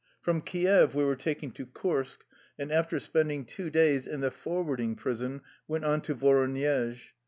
From Kief we were taken to Kursk, and after spending two days in the forwarding prison went on to Voronezh.